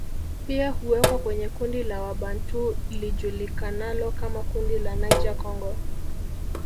Pia huwekwa kwenye kundi la Wabantu lijulikanalo kama kundi la Niger Congo